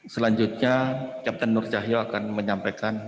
selanjutnya kapten nur cahyo akan menyampaikan